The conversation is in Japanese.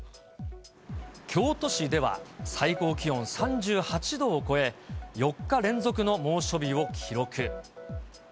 京都市では、最高気温３８度を超え、４日連続の猛暑日を記録。